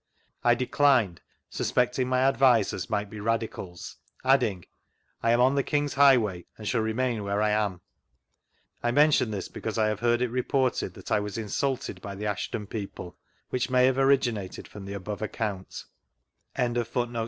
I declined, suspecting my advisers might be radicals, adding :" I am on the King's highway, and shall remain where I am." I mention this because I have heard it reported that 1 was insulted by the Ashton people, which may have originated from the above account.